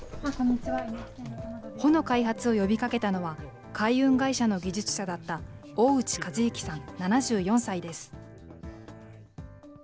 帆の開発を呼びかけたのは、開運会社の技術者だった大内一之さん７４歳です。